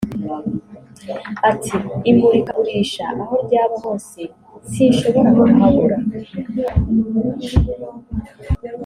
Ati “Imurikagurisha aho ryaba hose sinshobora kuhabura